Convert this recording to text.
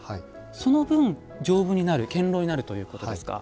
その分丈夫になる堅ろうになるということですか？